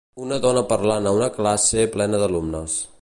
Una dona parlant a una classe plena d'alumnes.